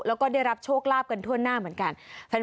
แล้วก็ได้รับโชคลาภกันทั่วหน้าเหมือนกัน